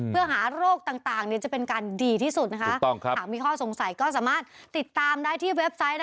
เพื่อหาโรคต่างจะเป็นการดีที่สุดนะคะหากมีข้อสงสัยก็สามารถติดตามได้ที่เว็บไซต์